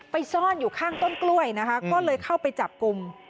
ซ่อนอยู่ข้างต้นกล้วยนะคะก็เลยเข้าไปจับกลุ่ม